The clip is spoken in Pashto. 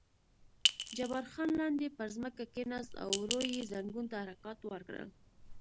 جبار خان لاندې پر ځمکه کېناست او ورو یې زنګون ته حرکات ورکړل.